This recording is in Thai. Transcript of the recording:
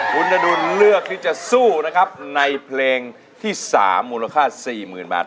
คุณอดุลเลือกที่จะสู้นะครับในเพลงที่๓มูลค่า๔๐๐๐บาท